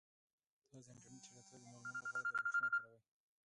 تاسو د انټرنیټ د چټکتیا د معلومولو لپاره دا اپلیکیشن وکاروئ.